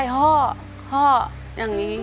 ห้ออย่างนี้